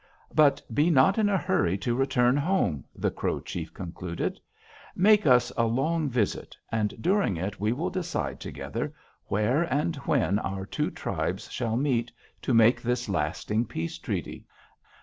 "'But be not in a hurry to return home,' the Crow chief concluded. 'Make us a long visit, and during it we will decide together where and when our two tribes shall meet to make this lasting peace treaty.'